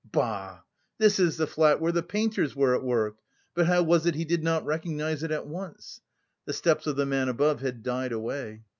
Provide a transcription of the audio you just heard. Bah! this is the flat where the painters were at work... but how was it he did not recognise it at once? The steps of the man above had died away.